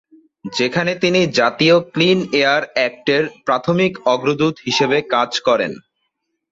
যেখানে তিনি জাতীয় ক্লিন এয়ার এক্ট এর প্রাথমিক অগ্রদূত হিসেবে কাজ করেন।